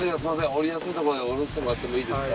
降りやすいところで降ろしてもらってもいいですか？